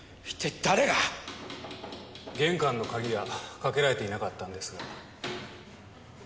玄関の鍵がかけられていなかったんです。